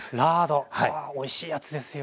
わあおいしいやつですよね。